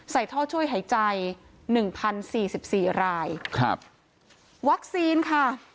ใส่ท่อช่วยหายใจ๑๐๔๔รายวัคซีนค่ะ